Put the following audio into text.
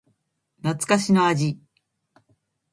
懐かしの味